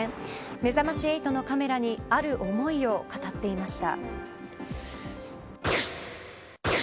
めざまし８のカメラにある思いを語っていました。